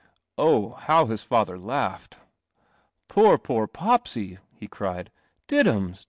Oh, how his father laughed! "Poor, poor P pseyl' he cried. "Diddums!